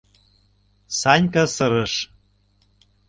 — Санька сырыш.